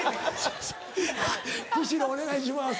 久代お願いします。